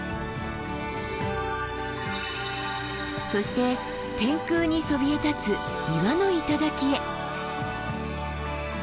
そして天空にそびえ立つ岩の頂へ。